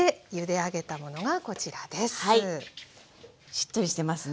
しっとりしてますね。